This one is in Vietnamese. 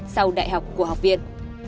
sau đại học của học viên